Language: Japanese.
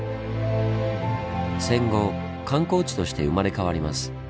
戦後観光地として生まれ変わります。